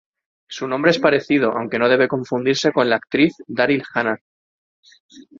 Su nombre es parecido, aunque no debe confundirse con la actriz Daryl Hannah.